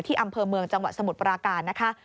อำเภอเมืองจังหวัดสมุทรปราการนะคะ